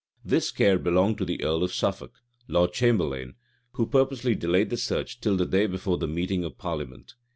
This care belonged to the earl of Suffolk, lord chamberlain, who purposely delayed the search till the day before the meeting of parliament.